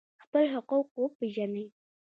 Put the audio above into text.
خپل حقوق وپیژنئ